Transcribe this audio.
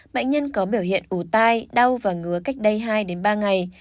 bệnh nhân có biểu hiện ủ tai đau và ngứa cách đây hai ba ngày